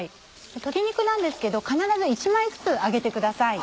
鶏肉なんですけど必ず１枚ずつ揚げてください。